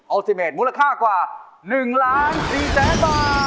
อัลสิมเมตรมูลค่ากว่า๑๔ล้านบาท